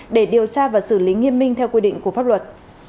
để điều tra và xử lý nghiêm minh theo quy định của pháp luật